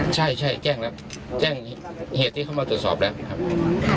ใช่แจ้งแล้วแจ้งเหตุที่เข้ามาตรวจสอบแล้วครับ